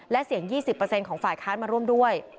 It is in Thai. และเสียง๒๐ของฝ่ายค้านมาร่วมด้วย